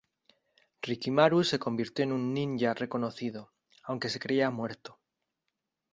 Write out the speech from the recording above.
Rikimaru se convirtió en un ninja reconocido, aunque se creía muerto.